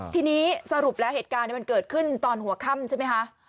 ทีนี้สรุปแล้วเหตุการณ์มันเกิดขึ้นตอนหัวค่ำใช่ไหมคะ